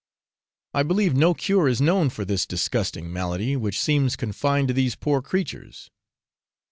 I believe no cure is known for this disgusting malady, which seems confined to these poor creatures.